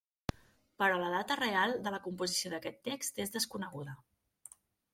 Però la data real de la composició d'aquest text és desconeguda.